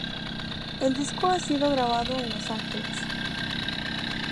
El disco ha sido grabado en Los Ángeles.